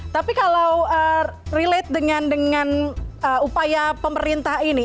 tapi kalau relate dengan upaya pemerintah ini